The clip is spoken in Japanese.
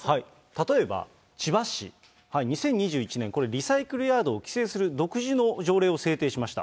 例えば千葉市、２０２１年、これ、リサイクルヤードを規制する独自の条例を制定しました。